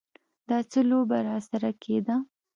دا څه لوبه راسره کېده.